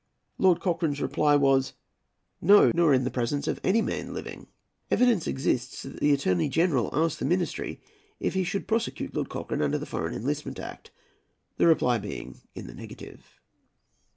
_" Lord Cochrane's reply was, " No, nor in the presence of any man living." Evidence exists that the Attorney General asked the Ministry if he should prosecute Lord Cochrane under the Foreign Enlistment Act, the reply being in the negative.